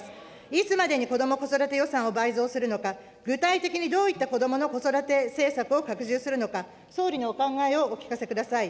いつまでに子ども子育て予算を倍増するのか、具体的にどういった子どもの子育て政策を拡充するのか、総理のお考えをお聞かせください。